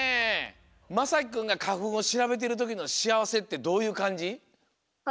まさきくんがかふんをしらべてるときのしあわせってどういうかんじ？か